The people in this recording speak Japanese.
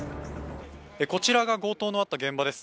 こちらが強盗のあった現場です。